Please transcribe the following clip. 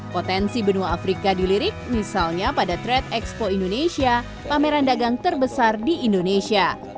potensi benua afrika dilirik misalnya pada trade expo indonesia pameran dagang terbesar di indonesia